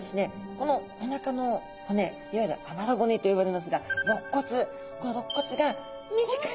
このおなかの骨いわゆるあばら骨と呼ばれますがろっ骨このろっ骨が短いんです。